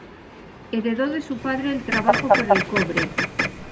Heredo de su padre el trabajo por el cobre.